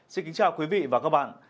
xin kính chào quý vị và các bạn